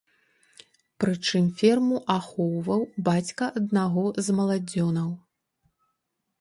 Прычым ферму ахоўваў бацька аднаго з маладзёнаў.